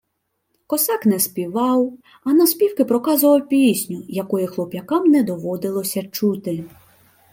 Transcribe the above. Косак не співав, а навспівки проказував пісню, якої хлоп'якам не доводилося чути.